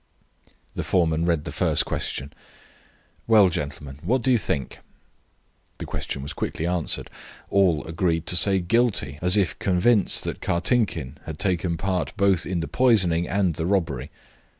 The foreman read the first question. "Well, gentlemen, what do you think?" This question was quickly answered. All agreed to say "Guilty," as if convinced that Kartinkin had taken part both in the poisoning and the robbery.